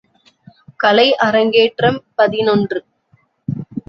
கலை அரங்கேற்றம் பதினொன்று .